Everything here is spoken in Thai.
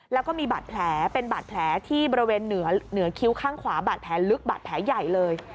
แล้วก็มีบาดแผลเป็นบาดแผลที่บริเวณเหนือคิ้วข้างขวาบาดแผลลึกบาดแผลใหญ่เลย